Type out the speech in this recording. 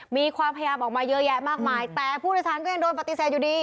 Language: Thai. มีความพยายามออกมาเยอะแยะมากมายแต่ผู้โดยสารก็ยังโดนปฏิเสธอยู่ดี